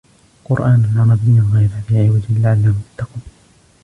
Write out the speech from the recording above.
قُرْآنًا عَرَبِيًّا غَيْرَ ذِي عِوَجٍ لَعَلَّهُمْ يَتَّقُونَ